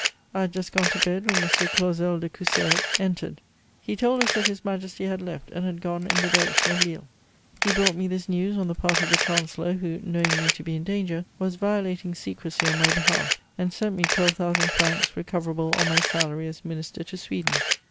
I had just gone to bed, when M. Clausel de Coussergues entered. He told us that His Majesty had left and had gone in the direction of Lille. He brought me this news on the part of the Chancellor, who, knowing me to be in danger, was violating secrecy on my behalf and sent me twelve thousand francs recoverable on my salary as Minister to Sweden.